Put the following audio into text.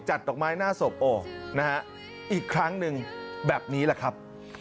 จัดดอกไม้หน้าศพอีกครั้งนึงแบบนี้แหละครับ